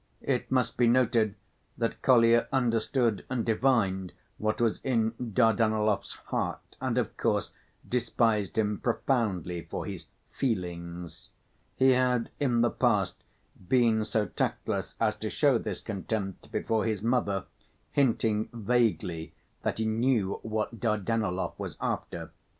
It must be noted that Kolya understood and divined what was in Dardanelov's heart and, of course, despised him profoundly for his "feelings"; he had in the past been so tactless as to show this contempt before his mother, hinting vaguely that he knew what Dardanelov was after.